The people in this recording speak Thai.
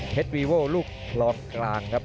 แพทย์วีวัลลูกหล่อมกลางครับ